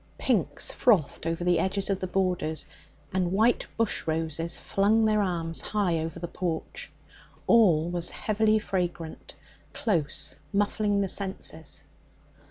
Pinks frothed over the edges of the borders, and white bush roses flung their arms high over the porch. All was heavily fragrant, close, muffling the senses.